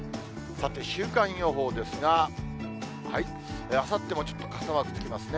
さて、週間予報ですが、あさってもちょっと傘マークつきますね。